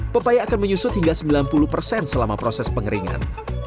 pepaya akan menyusut hingga sembilan puluh persen selama proses pengeringan